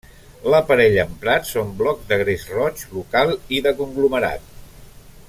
L'aparell emprat són blocs de gres roig local i de conglomerat.